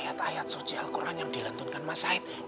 ayat ayat suci alquran yang dilantunkan mas haidt di dalam kabel ini